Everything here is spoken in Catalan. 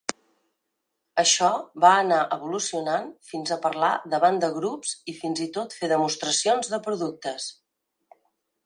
Això va anar evolucionant fins a parlar davant de grups i fins i tot fer demostracions de productes.